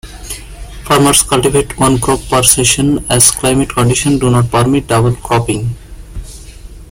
Farmers cultivate one crop per season as climatic conditions do not permit double cropping.